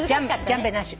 ジャンベなし。